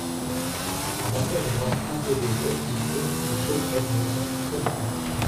En matière de normes imposées aux collectivités, les choses s’améliorent donc très nettement.